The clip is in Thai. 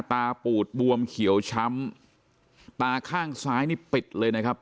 ปูดบวมเขียวช้ำตาข้างซ้ายนี่ปิดเลยนะครับ